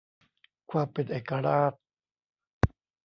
ความเป็นเอกราช